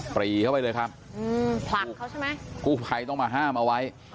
ปรีเข้าไปเลยครับกู้ไพต้องมาห้ามเอาไว้